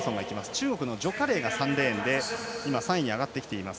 中国の徐佳玲が３レーンで３位に上がってきています。